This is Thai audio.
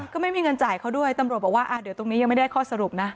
ก็ไม่มีเงินจ่ายเขาด้วยตำรวจบอกว่าเดี๋ยวตรงนี้ยังไม่ได้ข้อสรุปนะ